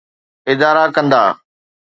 ادارا ڪندا؟